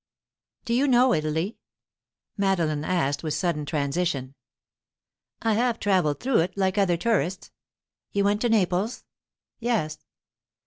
"Do you know Italy?" Madeline asked, with sudden transition. "I have travelled through it, like other tourists." "You went to Naples?" "Yes."